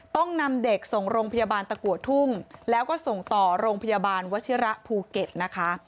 ต้องนำเด็กส่งโรงพยาบาลตะกัวทุ่งแล้วก็ส่งต่อโรงพยาบาลวชิระภูเก็ตนะคะ